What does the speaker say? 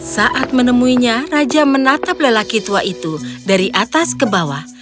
saat menemuinya raja menatap lelaki tua itu dari atas ke bawah